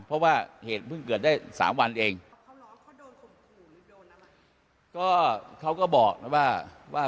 เพราะว่าเหตุเพิ่งเกิดได้สามวันเองเขารอว่าเขาโดนหรือโดนอะไร